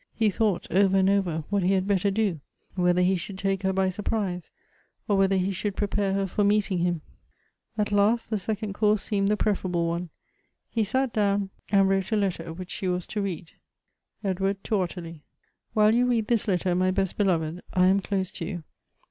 He thought over and over what he had better do ; whether he should take her by surprise, or whether he should prepare her for meeting him. At last the second course seemed the preferable one. He sat down and wrote a letter, which she was to read : SOO Goethe's EDWARD TO OTTILIE. '.' While you read this letter, my best beloved, I am close to you.